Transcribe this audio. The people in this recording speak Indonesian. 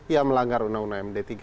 yang melanggar undang undang md tiga